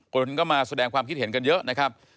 คนก็มาแสดงความคิดเห็นกันเยอะนะครับ